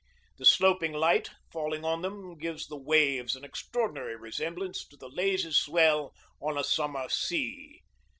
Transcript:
The sloping light falling on them gives the waves an extraordinary resemblance to the lazy swell on a summer sea.